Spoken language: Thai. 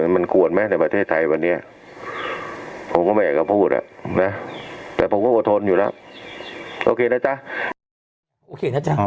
มันควรไหมในประเทศไทยวันนี้ผมก็ไม่อยากจะพูดอ่ะนะแต่ผมก็อดทนอยู่แล้วโอเคนะจ๊ะโอเคนะจ๊ะ